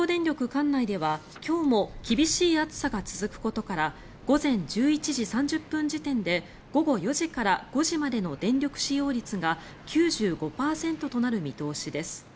管内では今日も厳しい暑さが続くことから午前１１時３０分時点で午後４時から５時までの電力使用率が９５％となる見通しです。